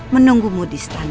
menunggumu di setan